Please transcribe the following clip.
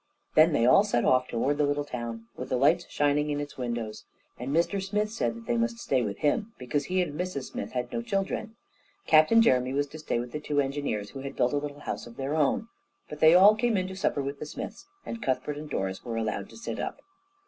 Then they all set off toward the little town, with the lights shining in its windows, and Mr Smith said that they must stay with him, because he and Mrs Smith had no children. Captain Jeremy was to stay with the two engineers, who had built a little house of their own, but they all came in to supper with the Smiths, and Cuthbert and Doris were allowed to sit up.